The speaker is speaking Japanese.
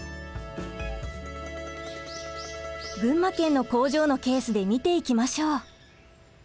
群馬県の工場のケースで見ていきましょう。